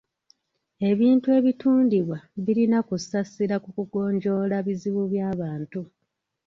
Ebintu ebitundibwa birina kussa ssira ku kugonjoola bizibu by'abantu.